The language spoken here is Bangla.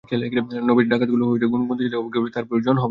নবিশ ডাকাত টাকাগুলো গুনতে চাইলে অভিজ্ঞজন বলল, তার প্রয়োজন হবে না।